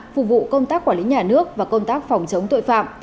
phục vụ công tác quản lý nhà nước và công tác phòng chống tội phạm